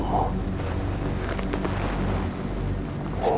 hamba sudah berjalan